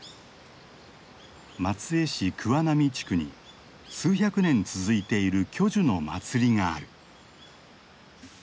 松江市桑並地区に数百年続いている巨樹の祭りがある。